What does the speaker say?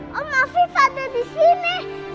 hah om afif ada di sini